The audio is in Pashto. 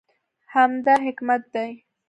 همدا حکمت دی.